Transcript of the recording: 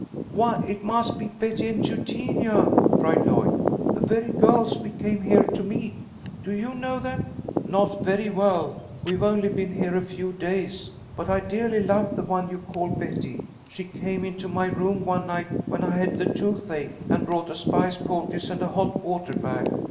"Why, it must be Betty and Eugenia!" cried Lloyd. "The very girls we came here to meet. Do you know them?" "Not very well. We've only been here a few days. But I dearly love the one you call Betty. She came into my room one night when I had the tooth ache, and brought a spice poultice and a hot water bag.